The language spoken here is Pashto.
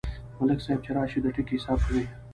ملک صاحب چې راشي، د ټکي حساب کوي.